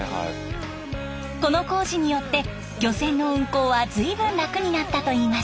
この工事によって漁船の運航は随分楽になったといいます。